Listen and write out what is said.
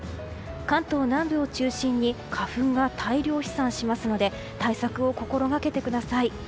関東南部を中心に花粉が大量飛散しますので対策を心掛けてください。